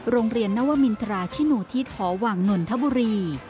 โรงเรียนนวมินทราชินูทิศหอวังนนทบุรี